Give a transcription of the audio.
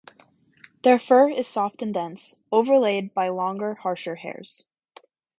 Their fur is soft and dense, overlaid by longer, harsher hairs.